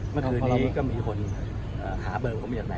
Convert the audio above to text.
เมื่อคืนนี้ก็มีคนหาเบิ่งเขาไม่อยากไหน